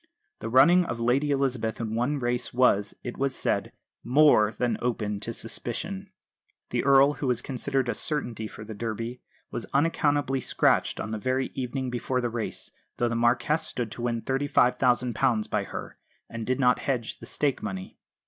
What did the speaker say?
The running of Lady Elizabeth in one race was, it was said, more than open to suspicion. The Earl, who was considered a certainty for the Derby, was unaccountably scratched on the very evening before the race, though the Marquess stood to win £35,000 by her, and did not hedge the stake money.